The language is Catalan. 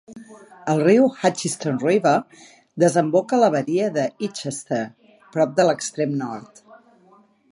El riu Hutchinson River desemboca a la badia d'Eastchester prop de l'extrem nord.